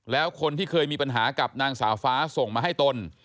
แล้วคนที่เคยมีปัญหากับนางสาวฟ้าส่งมาให้ตน